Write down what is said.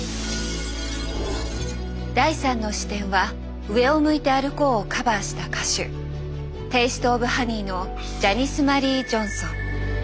第３の視点は「上を向いて歩こう」をカバーした歌手テイスト・オブ・ハニーのジャニス・マリー・ジョンソン。